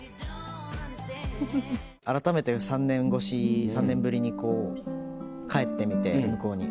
改めて３年越し３年ぶりに帰ってみて向こうに。